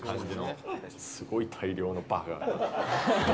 すごい大量のバーガー。